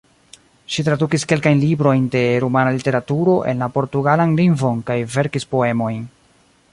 Ŝi tradukis kelkajn librojn de rumana literaturo en la portugalan lingvon kaj verkis poemojn.